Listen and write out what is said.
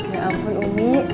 ya ampun umi